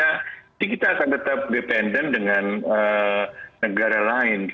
nanti kita akan tetap dependen dengan negara lain